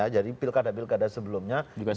jadi pilkada pilkada sebelumnya